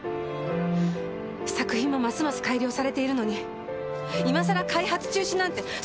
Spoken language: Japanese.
試作品もますます改良されているのに今さら開発中止なんてそんなの認めるわけには。